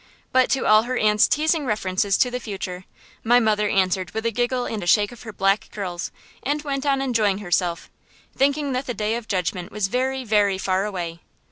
But to all her aunt's teasing references to the future, my mother answered with a giggle and a shake of her black curls, and went on enjoying herself, thinking that the day of judgment was very, very far away.